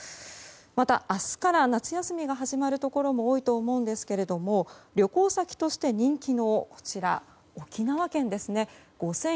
また、明日から夏休みが始まるところも多いと思うんですが旅行先として人気の沖縄県ですね。